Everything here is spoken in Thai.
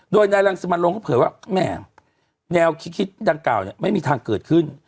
โดยในรังสิมันโรมเขาเผยว่าแม่แนวคิดดังกล่าวไม่มีทางเกิดขึ้น